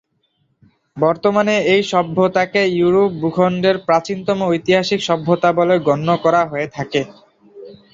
বর্তমানে এই সভ্যতাকে ইউরোপ ভূখণ্ডের প্রাচীনতম ঐতিহাসিক সভ্যতা বলে গণ্য করা হয়ে থাকে।